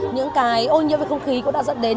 những cái ô nhiễm về không khí cũng đã dẫn đến